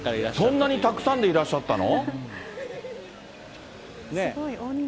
そんなにたくさんでいらっしゃったの？